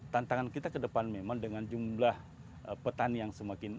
tantangan kita ke depan memang dengan jumlah petani yang ada di dalamnya